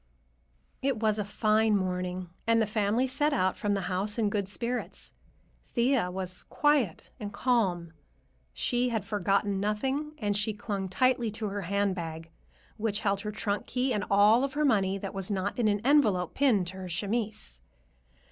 It was a fine morning, and the family set out from the house in good spirits. Thea was quiet and calm. She had forgotten nothing, and she clung tightly to her handbag, which held her trunk key and all of her money that was not in an envelope pinned to her chemise.